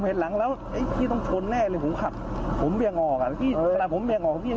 ไม่ได้มันขดโภกกันไม่ได้นี้แบบนี้